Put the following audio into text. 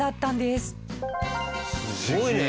すごいね。